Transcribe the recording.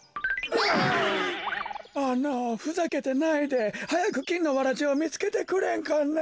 あのふざけてないではやくきんのわらじをみつけてくれんかね。